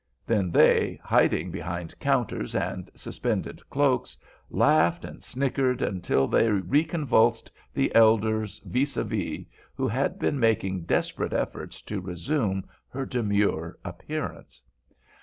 Then they, hiding behind counters and suspended cloaks, laughed and snickered until they reconvulsed the elder's vis à vis, who had been making desperate efforts to resume her demure appearance.